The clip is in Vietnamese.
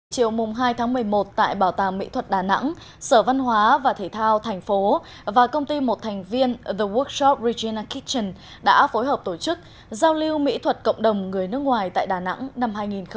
chiều hai tháng một mươi một tại bảo tàng mỹ thuật đà nẵng sở văn hóa và thể thao thành phố và công ty một thành viên the workshop regina kitchen đã phối hợp tổ chức giao lưu mỹ thuật cộng đồng người nước ngoài tại đà nẵng năm hai nghìn một mươi chín